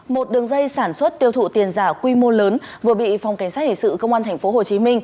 một đường dây sản xuất tiêu thụ tiền giả quy mô lớn vừa bị phòng cảnh sát hình sự công an tp hcm